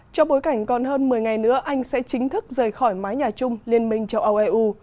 trong bối cảnh còn hơn một mươi ngày nữa anh sẽ chính thức rời khỏi mái nhà chung liên minh châu âu eu